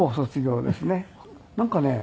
なんかね